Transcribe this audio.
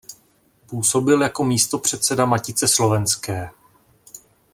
Působil jako místopředseda Matice slovenské.